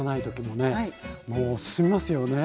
もう進みますよね。